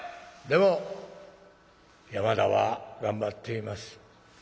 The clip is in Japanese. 「でも山田は頑張っています。